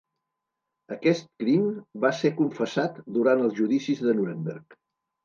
Aquest crim va ser confessat durant els judicis de Nuremberg.